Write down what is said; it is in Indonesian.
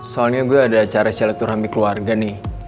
soalnya gue ada acara selektur hami keluarga nih